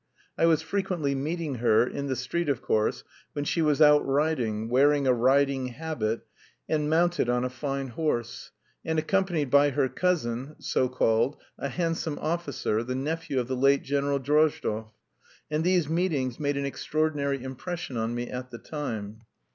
I was frequently meeting her, in the street of course, when she was out riding, wearing a riding habit and mounted on a fine horse, and accompanied by her cousin, so called, a handsome officer, the nephew of the late General Drozdov and these meetings made an extraordinary impression on me at the time.